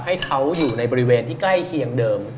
ให้เขาอยู่ในบริเวณที่ใกล้เคียงเดิม